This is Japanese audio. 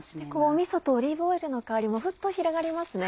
みそとオリーブオイルの香りもフッと広がりますね。